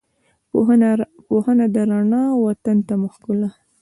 پوهنه ده رڼا، وطن ته مو ښکلا